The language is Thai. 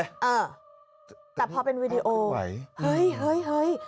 เออแต่พอเป็นวีดีโอเฮ้ย